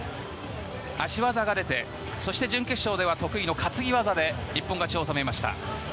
足技が出て、そして準決勝では得意の担ぎ技で一本勝ちを収めました。